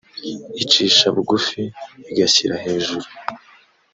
icisha bugufi igashyira hejuru